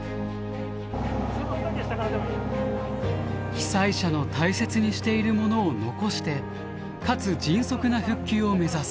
被災者の大切にしているものを残してかつ迅速な復旧を目指す。